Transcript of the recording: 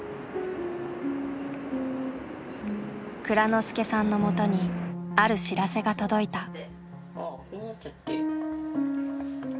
蔵之介さんのもとにある知らせが届いた。